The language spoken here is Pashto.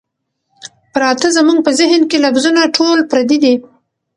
پراتۀ زمونږ پۀ ذهن کښې لفظونه ټول پردي دي